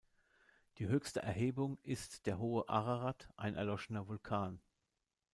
Die höchste Erhebung ist der hohe Ararat, ein erloschener Vulkan.